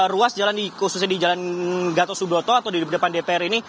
ruas jalan khususnya di jalan gatot subroto atau di depan dpr ini